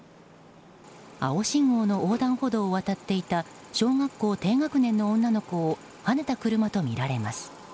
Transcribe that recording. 青信号の横断歩道を渡っていた小学校低学年の女の子をはねた車とみられます。